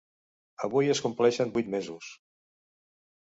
Avui es compleixen vuit mesos.